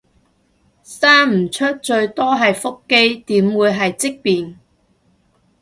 生唔出最多係腹肌，點會係積便